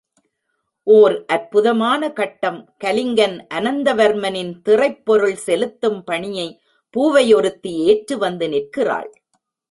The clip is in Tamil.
ஓர் அற்புதமான கட்டம் கலிங்கன் அனந்தவர்மனின் திறைப்பொருள் செலுத்தும் பணியை பூவை ஒருத்தி ஏற்று வந்து நிற்கிறாள்.